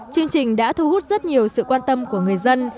chương trình đã thu hút rất nhiều sự quan tâm của người dân